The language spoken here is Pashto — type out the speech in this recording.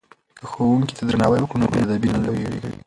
که ښوونکي ته درناوی وکړو نو بې ادبه نه لویږو.